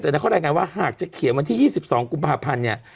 แล้วเขาแนะนำว่าหากจะเขียนวันที่๒๒กุมหาพันธุ์เนี่ย